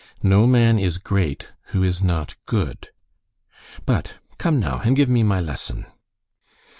"No man is great who is not good. But come now and give me my lesson."